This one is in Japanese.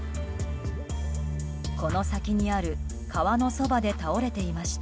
この先にある川のそばで倒れていました。